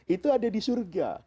itu ada di surga